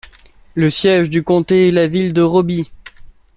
Le siège du comté est la ville de Roby.